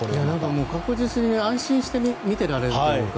もう、確実に安心して見てられるっていうか。